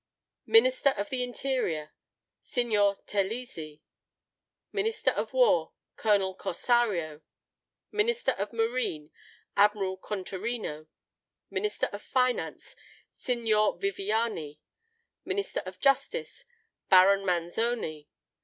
Minister of the Interior, SIGNOR TERLIZZI. Minister of War, COLONEL COSSARIO. Minister of Marine, ADMIRAL CONTARINO. Minister of Finance, SIGNOR VIVIANI. Minister of Justice, BARON MANZONI.